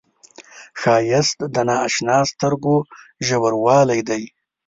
ښایست د نااشنا سترګو ژوروالی دی